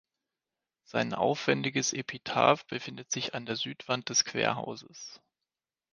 Sein aufwendiges Epitaph befindet sich an der Südwand des Querhauses.